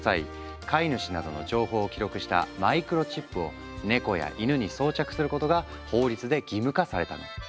飼い主などの情報を記録したマイクロチップをネコやイヌに装着することが法律で義務化されたの。